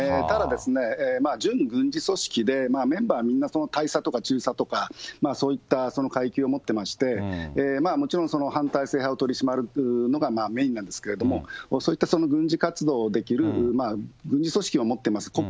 ただ、準軍事組織で、メンバーみんな、大佐とか中佐とか、そういったその階級を持ってまして、もちろん、反体制派を取り締まるのがメインなんですけども、そういった軍事活動できる軍事組織を持っています。